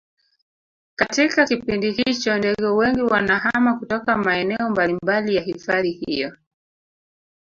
katika kipindi hicho ndege wengi wanahama kutoka maeneo mbalimbali ya hifadhi hiyo